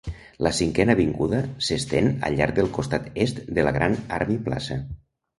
La Cinquena Avinguda s"estén al llarg del costat est de la Grand Army Plaza.